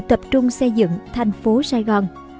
tập trung xây dựng thành phố sài gòn